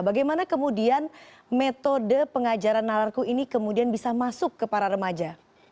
bagaimana kemudian metode pengajaran nalarku ini kemudian bisa masuk ke para remaja